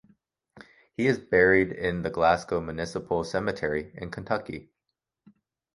He is buried in the Glasgow Municipal Cemetery in Kentucky.